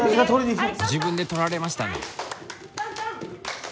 自分で取られましたね。